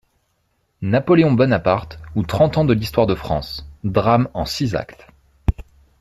=Napoléon Bonaparte, ou trente ans de l'histoire de France.= Drame en six actes.